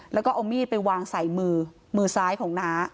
แล้วก็เอามีดไปวางใส่มือมือมือซ้ายของน้า